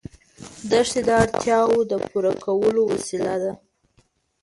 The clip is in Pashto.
دښتې د اړتیاوو د پوره کولو وسیله ده.